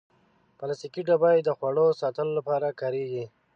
پلاستيکي ډبې د خواړو ساتلو لپاره کارېږي.